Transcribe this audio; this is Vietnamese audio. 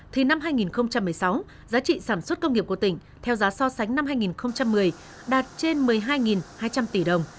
thì năm hai nghìn một mươi sáu giá trị sản xuất công nghiệp của tỉnh theo giá so sánh năm hai nghìn một mươi đạt trên một mươi hai hai trăm linh tỷ đồng